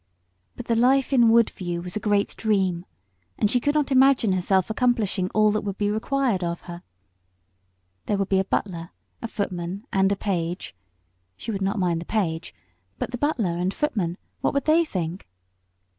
But the life in Woodview was a great dream, and she could not imagine herself accomplishing all that would be required of her. There would be a butler, a footman, and a page; she would not mind the page but the butler and footman, what would they think?